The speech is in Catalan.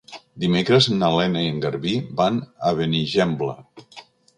Dimecres na Lena i en Garbí van a Benigembla.